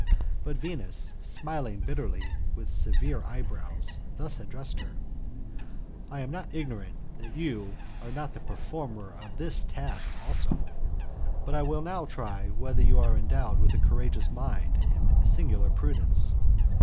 But Venus, smiling bitterly with severe eyebrows, thus addressed her :" I am not ignorant that you are not the performer of this task also ; but I will now try whether you are endued with a courageous mind and singular prudence.